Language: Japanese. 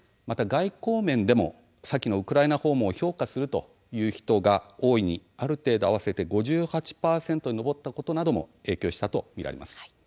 また外交面でも先のウクライナ訪問を評価するという人が大いに、ある程度合わせて５８％に上ったことなども影響したと見られます。